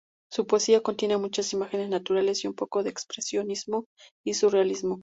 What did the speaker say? Su poesía contiene muchas imágenes naturales y un poco de expresionismo y surrealismo.